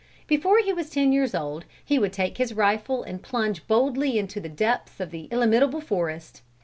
Before he was ten years old he would take his rifle and plunge boldly into the depths of the illimitable forest.